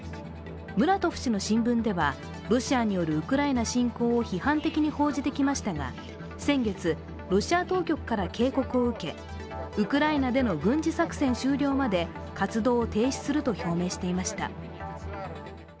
ムラトフ氏の新聞ではロシアによるウクライナ侵攻を批判的に報じてきましたが先月、ロシア当局から警告を受け、ウクライナでの軍事作戦終了まで活動を停止すると表明していました。